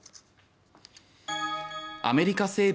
アメリカ西部